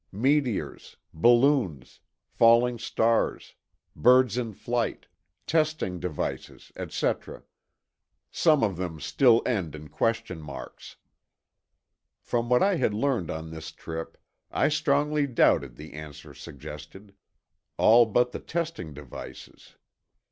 Meteors. Balloons. Falling stars. Birds in flight. Testing devices, etc. Some of them still end in question marks." From what I had learned on this trip, I strongly doubted the answer suggested. All but the "testing devices."